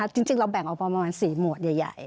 จริงเราแบ่งออกประมาณ๔หมวดใหญ่